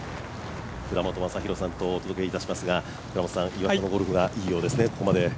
倉本昌弘さんとお届けしますが岩田のゴルフがいいようですね。